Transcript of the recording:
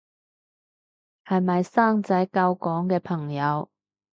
係咪生仔救港嘅朋友